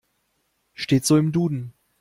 Steht so im Duden.